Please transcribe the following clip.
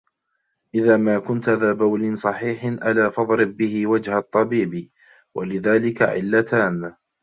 إذَا مَا كُنْتَ ذَا بَوْلٍ صَحِيحٍ أَلَا فَاضْرِبْ بِهِ وَجْهَ الطَّبِيبِ وَلِذَلِكَ عِلَّتَانِ